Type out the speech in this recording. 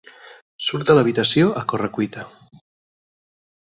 Surt de l'habitació a correcuita.